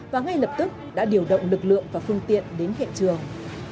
và ngay lập tức đã điều động lực lượng và phương tiện đến hiện trường